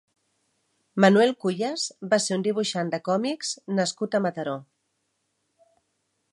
Manuel Cuyas va ser un dibuixant de còmics nascut a Mataró.